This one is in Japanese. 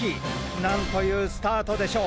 何というスタートでしょう！